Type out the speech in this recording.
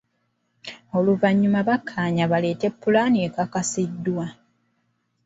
Oluvannyuma bakkaanya baleete pulaani ekakasiddwa.